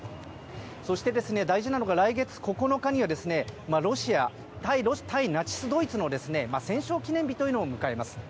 そして、大事なのが来月９日にはロシアは対ナチスドイツの戦勝記念日を迎えます。